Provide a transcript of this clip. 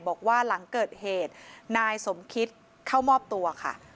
บอกว่าหลังเกิดเหตุนายสมคิตเข้ามอบตัวค่ะ